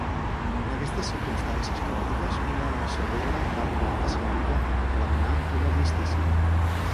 En aquestes circumstàncies caòtiques una delegació búlgara va arribar a Tessalònica per demanar un armistici.